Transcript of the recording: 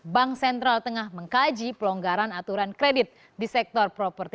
bank sentral tengah mengkaji pelonggaran aturan kredit di sektor properti